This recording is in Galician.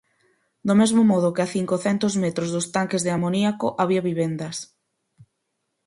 Do mesmo modo que a cincocentos metros dos tanques de amoníaco había vivendas.